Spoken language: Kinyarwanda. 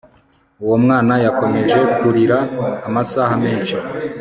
uwo mwana yakomeje kurira amasaha menshi